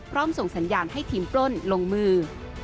ส่งสัญญาณให้ทีมปล้นลงมือ